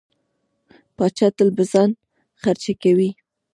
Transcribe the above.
پاچا تل په ځان خرچه کوي.